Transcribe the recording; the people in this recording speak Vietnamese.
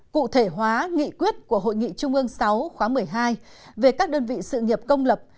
cụ thể hóa nghị quyết của hội nghị trung ương sáu khóa một mươi hai về các đơn vị sự nghiệp công lập